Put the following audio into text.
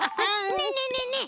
ねえねえねえねえ！